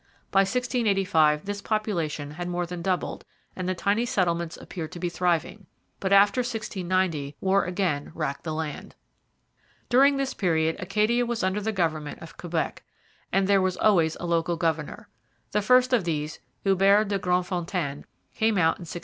By 1685 this population had more than doubled and the tiny settlements appeared to be thriving. But after 1690 war again racked the land. During this period Acadia was under the government of Quebec, but there was always a local governor. The first of these, Hubert de Grandfontaine, came out in 1670.